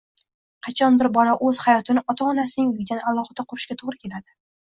qachondir bola o‘z hayotini ota-onasining uyidan alohida qurishiga to‘g‘ri keladi.